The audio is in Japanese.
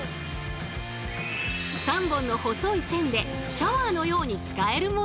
３本の細い線でシャワーのように使えるもの。